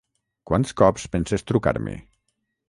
Quants cops penses trucar-me?